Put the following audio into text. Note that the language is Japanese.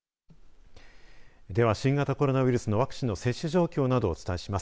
では、新型コロナウイルスのワクチンの接種状況などをお伝えします。